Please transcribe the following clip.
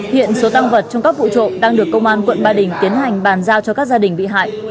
hiện số tăng vật trong các vụ trộm đang được công an quận ba đình tiến hành bàn giao cho các gia đình bị hại